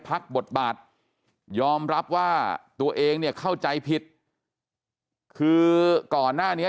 พักบทบาทยอมรับว่าตัวเองเนี่ยเข้าใจผิดคือก่อนหน้านี้